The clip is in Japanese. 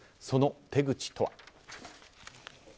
その手口とは。